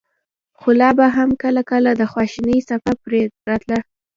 خو لا به هم کله کله د خواشينۍڅپه پرې راتله.